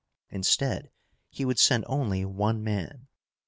Instead, he would send only one man.